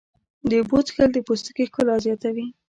د اوبو څښل د پوستکي ښکلا زیاتوي.